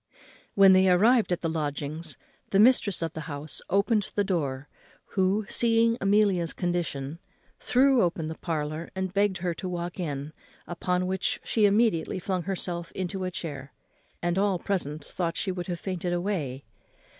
When they arrived at the lodgings the mistress of the house opened the door, who, seeing Amelia's condition, threw open the parlour and begged her to walk in, upon which she immediately flung herself into a chair, and all present thought she would have fainted away.